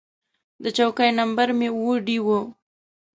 د چوکۍ نمبر مې اووه ډي و.